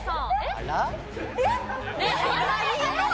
あら？